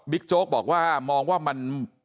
โจ๊กบอกว่ามองว่ามัน